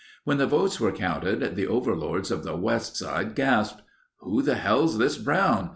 When the votes were counted the overlords of the west side gasped. "Who the hell's this Brown?